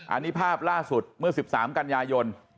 อันนี้ภาพล่าสุดเมื่อ๑๓กันยายน